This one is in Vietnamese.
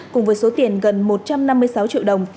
cùng với số tiền gần một trăm năm mươi sáu triệu đồng